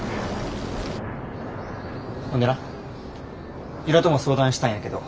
ほんでな由良とも相談したんやけど。